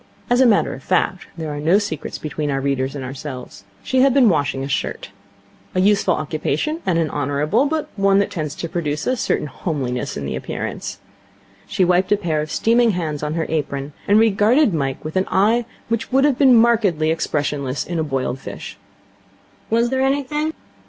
As a matter of fact there are no secrets between our readers and ourselves she had been washing a shirt. A useful occupation, and an honourable, but one that tends to produce a certain homeliness in the appearance. She wiped a pair of steaming hands on her apron, and regarded Mike with an eye which would have been markedly expressionless in a boiled fish. 'Was there anything?'